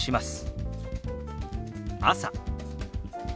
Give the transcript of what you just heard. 「朝」。